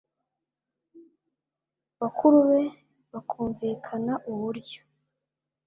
bakuru be bakumvikana uburyo